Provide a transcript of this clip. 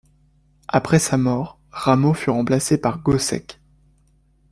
Après sa mort, Rameau fut remplacé par Gossec.